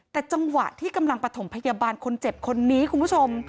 แต่จังหวะที่กำลังประถมพยาบาลคนเจ็บคนนี้คุณผู้ชม